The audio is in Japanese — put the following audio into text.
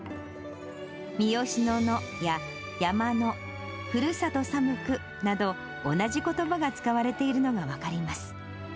みよしののや、やまの、ふるさとさむくなど、同じことばが使われているのが分かります。